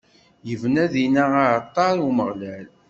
Ibna dinna aɛalṭar i Umeɣlal.